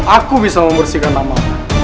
aku bisa membersihkan namamu